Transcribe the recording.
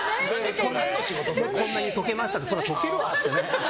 こんなに解けましたってそりゃ解けるわって。